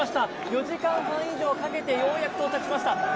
４時間半以上かけてようやく到着しました。